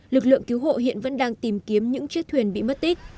lực lượng cứu hộ hiện vẫn đang tìm kiếm những chiếc thuyền bị mất tích